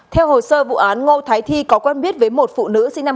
theo hồ sơ vụ án ngô thái thi có quen biết với một phụ huynh